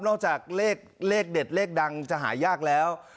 จากเลขเด็ดเลขดังจะหายากแล้ว